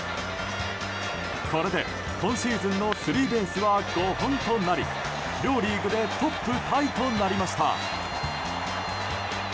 これで今シーズンのスリーベースは５本となり両リーグでトップタイとなりました。